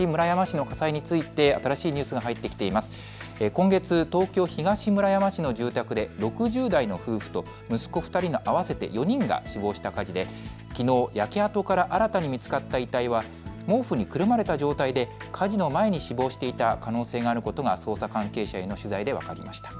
今月、東京東村山市の住宅で６０代の夫婦と息子２人の合わせて４人が死亡した火事できのう焼け跡から新たに見つかった遺体は毛布にくるまれた状態で火事の前に死亡していた可能性があることが捜査関係者への取材で分かりました。